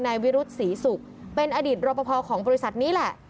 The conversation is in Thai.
นายวิรุษฎีสุกเป็นอดิษฐ์รพพของบริษัทนี่แหละ